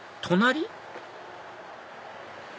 隣？